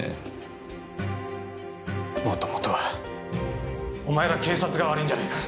もともとはお前ら警察が悪いんじゃないか。